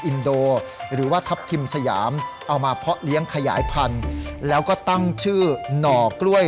อินโดหรือว่าทัพทิมสยามเอามาเพาะเลี้ยงขยายพันธุ์แล้วก็ตั้งชื่อหน่อกล้วย